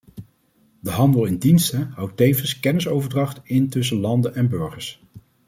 De handel in diensten houdt tevens kennisoverdracht in tussen landen en burgers.